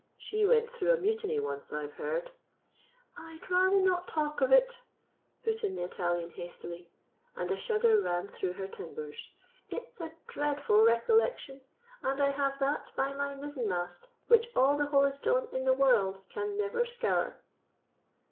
She went through a mutiny once, I've heard." "I'd rather not talk of it," put in the Italian hastily, and a shudder ran through her timbers. "It's a dreadful recollection, and I have that by my mizzen mast which all the holystone in the world can never scour."